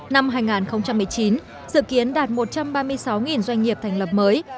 năm hai nghìn một mươi chín dự kiến đạt một trăm ba mươi sáu doanh nghiệp thành lập mới